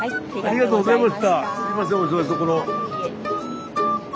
ありがとうございます。